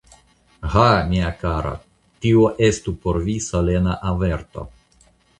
Ha, mia kara, tio estu por vi solena averto.